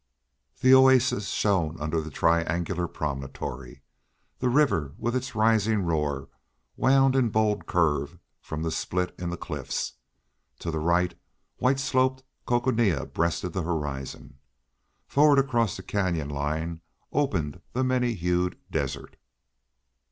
The oasis shone under the triangular promontory; the river with its rising roar wound in bold curve from the split in the cliffs. To the right white sloped Coconina breasted the horizon. Forward across the Canyon line opened the many hued desert.